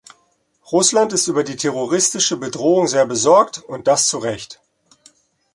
Russland ist über die terroristische Bedrohung sehr besorgt, und das zu Recht.